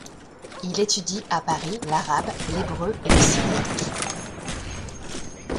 Il étudie à Paris l’arabe, l'hébreu et le syriaque.